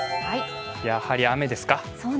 やはり雨ですか。